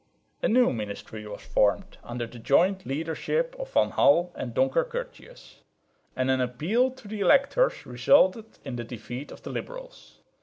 A new ministry was formed under the joint leadership of Van Hall and Donker Curtius; and an appeal to the electors resulted in the defeat of the liberals.